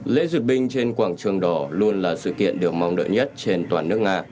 lễ duyệt binh trên quảng trường đỏ luôn là sự kiện được mong đợi nhất trên toàn nước nga